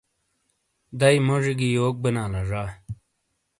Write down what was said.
دَئیی موجی گی یوک بینا لا زا۔